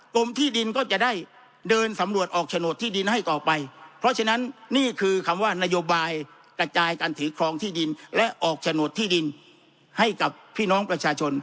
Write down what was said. กรมที่ดินก็จะได้เดินสำรวจออกโฉนดที่ดินให้ต่อไปเพราะฉะนั้นนี่คือคำว่านโยบายกระจายการถือครองที่ดินและออกโฉนดที่ดินให้กับพี่น้องประชาชน